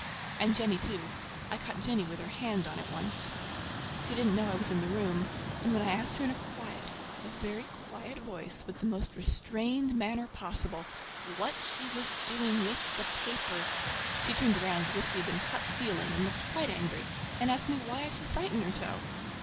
And Jennie too. I caught Jennie with her hand on it once. She didn't know I was in the room, and when I asked her in a quiet, a very quiet voice, with the most restrained manner possible, what she was doing with the paper she turned around as if she had been caught stealing, and looked quite angry—asked me why I should frighten her so!